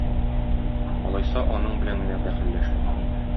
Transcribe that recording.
Алайса аның белән генә бәхилләшәм.